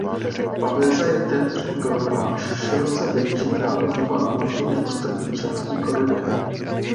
Pavéza je téměř okrouhlá až široce vejčitá a bývá tmavší než ostatní části koruny.